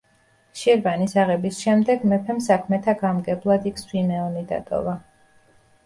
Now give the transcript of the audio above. შირვანის აღების შემდეგ მეფემ საქმეთა გამგებლად იქ სვიმეონი დატოვა.